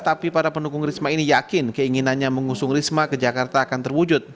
tapi para pendukung risma ini yakin keinginannya mengusung risma ke jakarta akan terwujud